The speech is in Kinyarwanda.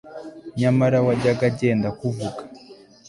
nyamara wajyaga agenda akuvuga